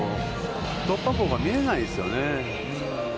突破口が見えないですよね。